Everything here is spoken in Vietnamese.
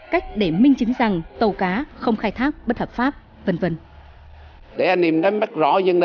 cách để minh chứng rằng tàu cá không phát triển